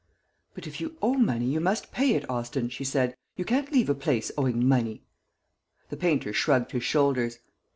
"But if you owe money, you must pay it, Austin," she said; "you can't leave a place owing money." The painter shrugged his shoulders.